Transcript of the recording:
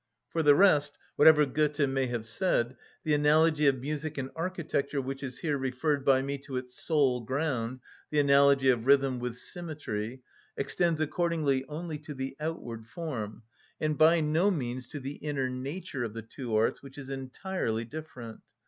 For the rest, whatever Goethe may have said, the analogy of music and architecture, which is here referred by me to its sole ground, the analogy of rhythm with symmetry, extends accordingly only to the outward form, and by no means to the inner nature of the two arts, which is entirely different.